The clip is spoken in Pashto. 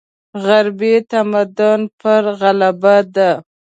غربي تمدن پر غلبه ده.